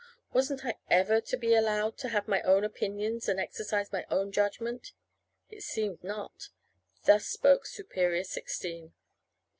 Wasn't I ever to be allowed to have my own opinions and exercise my own judgment? It seemed not! Thus spoke superior sixteen.